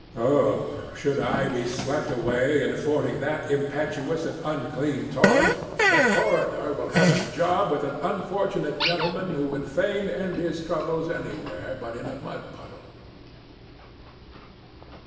Oh, should I be swept away in fording that impetuous and unclean torrent, the coroner will have a job with an unfortunate gentleman who would fain end his troubles anywhere but in a mud puddle.